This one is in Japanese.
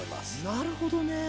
なるほどね。